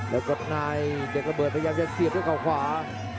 แล้วกดในเด็กระเบิดพยายามจะเสียบด้วยเขาขวา